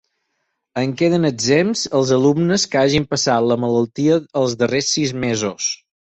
En queden exempts els alumnes que hagin passat la malaltia els darrers sis mesos.